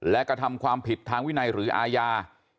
และกระทำความผิดทางวินัยหรืออาญา